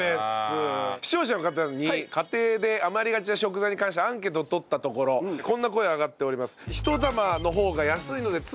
視聴者の方に家庭で余りがちな食材に関してアンケートを取ったところこんな声上がっております。